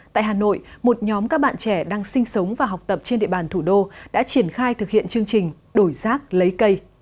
tại hà nội một nhóm các bạn trẻ đang sinh sống và học tập trên địa bàn thủ đô đã triển khai thực hiện chương trình đổi rác lấy cây